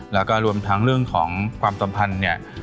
แล้วก็รวมทั้งเรื่องของความสัมพันธ์เนี่ย